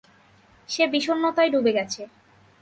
সে বিষণ্নতায় ডুবে গেছে।